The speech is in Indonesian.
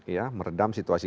ya meredam situasi